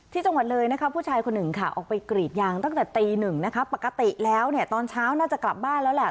ที่จังหวัดเลยนะคะผู้ชายคนหนึ่งค่ะออกไปกรีดยางตั้งแต่ตีหนึ่งนะคะปกติแล้วเนี่ยตอนเช้าน่าจะกลับบ้านแล้วแหละ